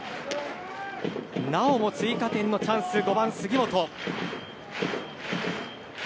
なおも追加点のチャンスで５番、杉本。